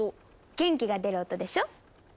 元気が出る音でしょ？